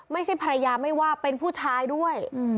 ไม่ใช่ภรรยาไม่ว่าเป็นผู้ชายด้วย